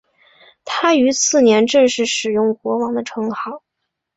他于次年正式使用国王的称号。